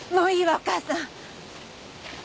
お母さん。